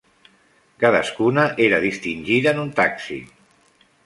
Cadascuna era distingida en un taxi.